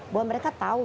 bahwa mereka tahu